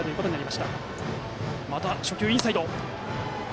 また初球、インサイド。